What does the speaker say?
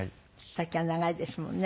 先は長いですもんね。